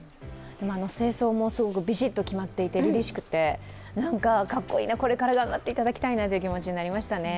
正装もすごく、ビシッと決まっていてりりしくて、なんかかっこいいな、これから頑張っていただきたいなという気持ちになりましたね。